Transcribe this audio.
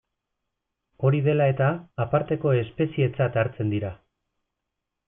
Hori dela eta, aparteko espezietzat hartzen dira.